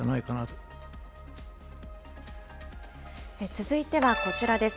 続いてはこちらです。